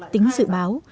tính dự báo